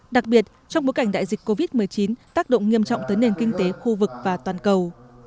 đặc biệt trong bối cảnh đại dịch covid một mươi chín tác động nghiêm trọng tới nền kinh tế khu vực và toàn cầu